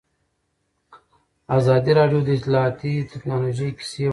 ازادي راډیو د اطلاعاتی تکنالوژي کیسې وړاندې کړي.